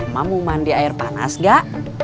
mak mau mandi air panas gak